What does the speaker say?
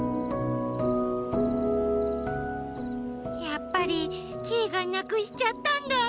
やっぱりキイがなくしちゃったんだ。